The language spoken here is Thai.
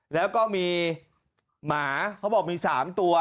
แล้วก็มีหมาเขาบอกมี๓ตัว